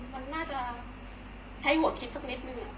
มันน่าจะใช้หัวคิดสักนิดนึง